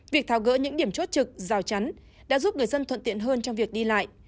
việc tháo gỡ những điểm chốt trực rào chắn đã giúp người dân thuận tiện hơn trong việc đi lại